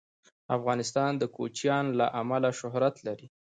افغانستان د کوچیان له امله شهرت لري.